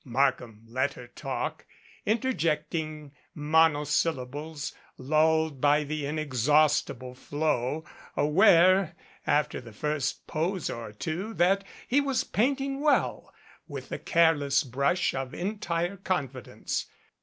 Markham let her talk, interjecting monosyllables lulled by the inexhaustible flow, aware, after the first pose or two, that he was painting well, with the careless brush of entire confidence.